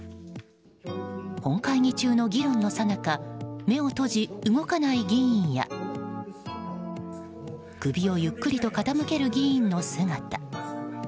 本会議中の議論のさなか目を閉じ、動かない議員や首をゆっくりと傾ける議員の姿。